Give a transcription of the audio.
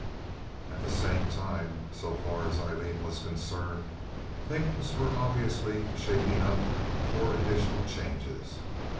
At the same time, so far as Aileen was concerned things were obviously shaping up for additional changes.